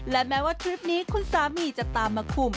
และแม้ว่าทริปนี้คุณสามีจะตามมาคุม